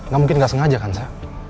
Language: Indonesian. gak mungkin gak sengaja kan sa